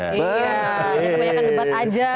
banyak banyak debat aja